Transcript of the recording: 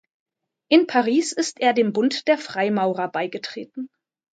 In Paris ist er dem Bund der Freimaurer beigetreten.